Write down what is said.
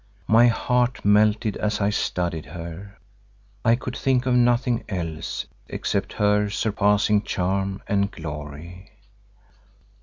My heart melted as I studied her; I could think of nothing else except her surpassing charm and glory.